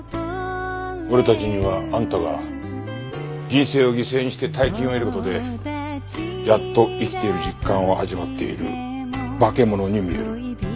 俺たちにはあんたが人生を犠牲にして大金を得る事でやっと生きている実感を味わっている化け物に見える。